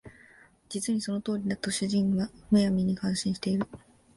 実にその通りだ」と主人は無闇に感心している